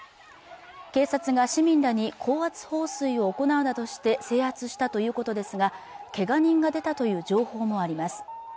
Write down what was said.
警察が市民に高圧放水を行うなどして制圧したということですがけが人が出たという情報もあります